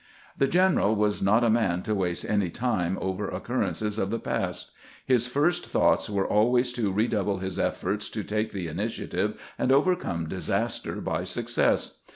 The general was not a man to waste any time over occurrences of the past ; his first thoughts were always to redouble his efforts to take the initiative and over come disaster by success.